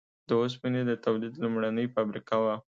د اوسپنې د تولید لومړنۍ فابریکه وه.